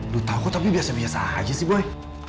lo tau kok tapi biasa biasa aja sih boy